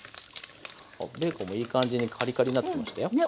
ベーコンもいい感じにカリカリになってきましたよ。ね！